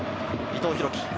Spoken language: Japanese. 伊藤洋輝。